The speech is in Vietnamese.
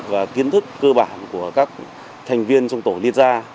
và kiến thức cơ bản của các thành viên trong tổ liên gia